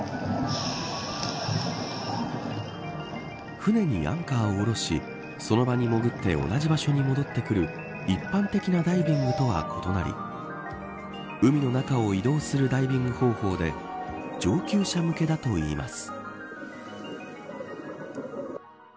船にアンカーを下ろしその場に潜って同じ場所に戻ってくる一般的なダイビングとは異なり海の中を移動するダイビング方法で上級者向けだといいます。